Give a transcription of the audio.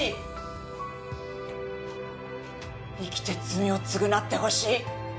生きて罪を償ってほしい。